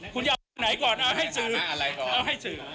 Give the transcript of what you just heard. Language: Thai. คุณจะเอาตรงไหนก่อนเอาให้สื่อเอาให้สื่อ